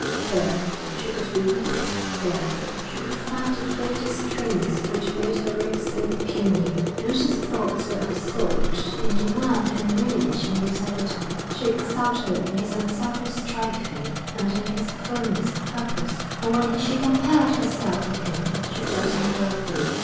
Here she could be weak, here she could find a greater strength which made her own seem puny. Lucy's thoughts were absorbed in the man whom really she knew so little. She exulted in his unselfish striving and in his firmness of purpose, and when she compared herself with him she felt unworthy.